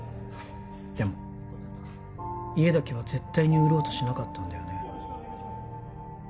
でも家だけは絶対に売ろうとしなかったんだよね